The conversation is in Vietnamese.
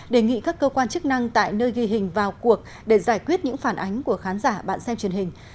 đề nghị các cơ quan chức năng tại nơi ghi hình vào cuộc để giải quyết những phản ánh của khán giả bạn xem truyền hình